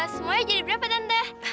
semuanya jadi berapa tante